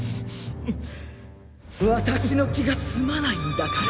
私の気が済まないんだから。